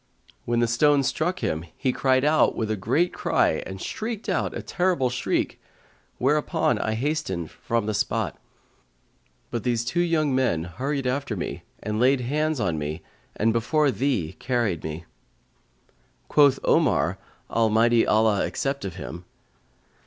When the stone struck him, he cried out with a great cry and shrieked out a terrible shriek, whereupon I hastened from the spot; but these two young men hurried after me and laid hands on me and before thee carried me." Quoth Omar (Almighty Allah accept of him!)